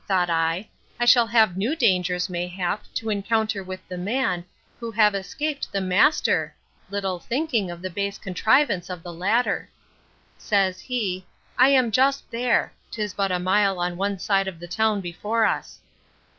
thought I, I shall have new dangers, mayhap, to encounter with the man, who have escaped the master—little thinking of the base contrivance of the latter.—Says he, I am just there: 'Tis but a mile on one side of the town before us.